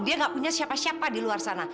dia nggak punya siapa siapa di luar sana